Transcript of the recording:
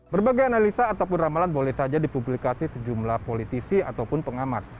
berbagai analisa ataupun ramalan boleh saja dipublikasi sejumlah politisi ataupun pengamat